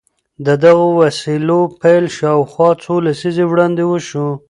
د دغو وسيلو پيل شاوخوا څو لسيزې وړاندې وشو.